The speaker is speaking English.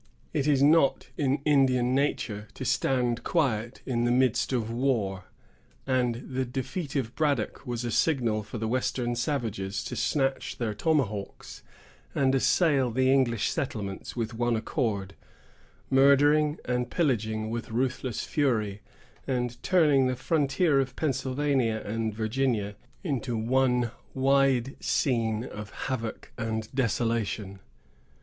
It is not in Indian nature to stand quiet in the midst of war; and the defeat of Braddock was a signal for the western savages to snatch their tomahawks and assail the English settlements with one accord, murdering and pillaging with ruthless fury, and turning the frontier of Pennsylvania and Virginia into one wide scene of havoc and desolation.